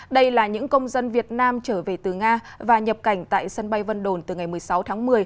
đây là những công dân việt nam trở về từ nga và nhập cảnh tại sân bay vân đồn từ ngày một mươi sáu tháng một mươi